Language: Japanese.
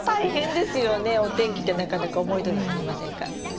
お天気ってなかなか思いどおりになりませんから。